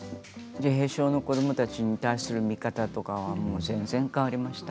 自閉症の子どもたちに対する見方とかはもう全然、変わりました。